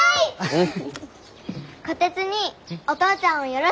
うん。